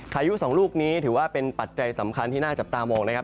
ยุสองลูกนี้ถือว่าเป็นปัจจัยสำคัญที่น่าจับตามองนะครับ